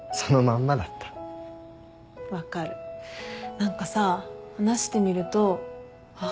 何かさ話してみるとあっ